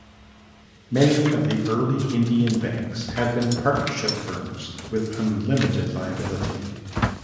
Many of the early Indian Banks had been partnership firms with unlimited liability.